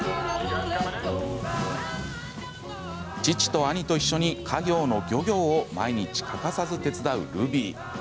父と兄と一緒に家業の漁業を毎日欠かさず手伝うルビー。